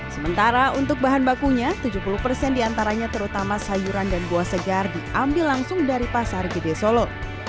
sementara untuk bahan bakunya tujuh puluh persen diantaranya terutama sayuran dan buah segar diambil langsung dari pasar gede solo